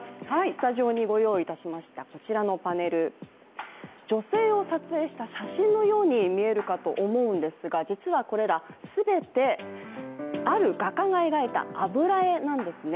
スタジオにご用意いたしましたこちらのパネル、女性を撮影した写真のように見えるかと思うんですが実はこれら、全てある画家が描いた油絵なんですね。